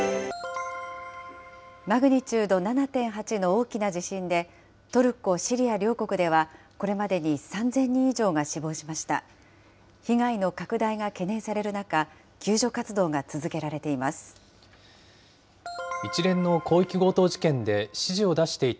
マグニチュード７．８の大きな地震で、トルコ、シリア両国では、これまでに３０００人以上が死亡しました。